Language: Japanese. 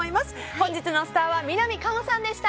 本日のスターは南果歩さんでした。